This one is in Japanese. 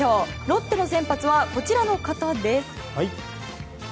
ロッテの先発はこちらの方です。